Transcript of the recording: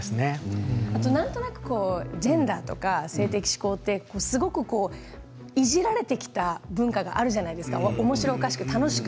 あと、なんとなくジェンダーとか性的指向ってすごくいじられてきた文化があるじゃないですかおもしろおかしく楽しく。